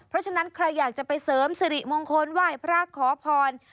เพราะฉะนั้นใครอยากจะไปเสริมสิริมงคลไหว้พระขอพร